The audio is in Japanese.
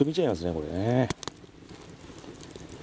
これね。